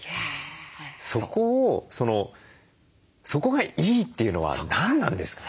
そこを「そこがいい」っていうのは何なんですか？